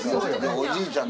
おじいちゃん